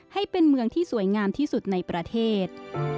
ให้เป็นเมืองที่สวยงามที่สุดในประเทศ